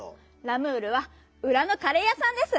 「ラムール」はうらのカレーやさんです！